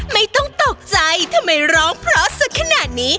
ไม่ต้องตกใจทำไมร้องเพราะสักขนาดนี้